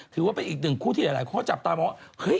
ถือว่าเป็นอีกหนึ่งคู่ที่หลายคนก็จับตาบอก